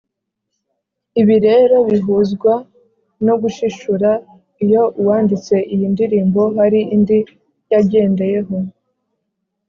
ibi rero bihuzwa no gushishura iyo uwanditse iyi ndirimbo hari indi yagendeyeho